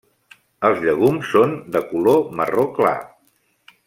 Els llegums són de color marró clar.